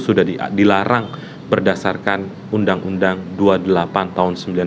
sudah diadil arang berdasarkan undang undang dua ratus delapan puluh delapan yang terjadi di negara negara negara yang tersebut yang